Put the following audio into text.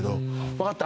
「わかった。